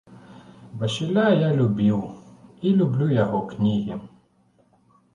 Васіля я любіў і люблю яго кнігі.